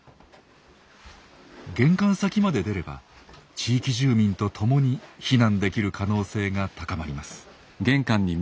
玄関先まで出れば地域住民と共に避難できる可能性が高まります。